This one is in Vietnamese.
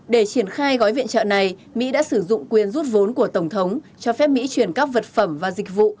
để triển khai gói viện trợ này mỹ đã sử dụng quyền rút vốn của tổng thống cho phép mỹ chuyển các vật phẩm và dịch vụ